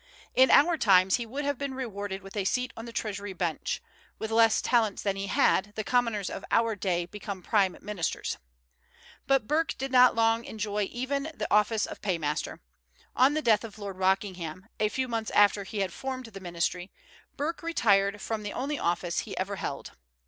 In our times he would have been rewarded with a seat on the treasury bench; with less talents than he had, the commoners of our day become prime ministers. But Burke did not long enjoy even the office of paymaster. On the death of Lord Rockingham, a few months after he had formed the ministry, Burke retired from the only office he ever held.